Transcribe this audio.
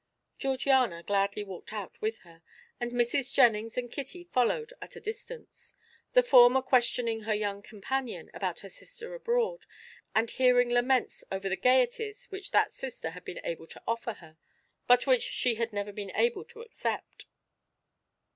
Georgiana gladly walked out with her, and Mrs. Jennings and Kitty followed at a distance, the former questioning her young companion about her sister abroad and hearing laments over the gaieties which that sister had been able to offer her, but which she had never been able to accept.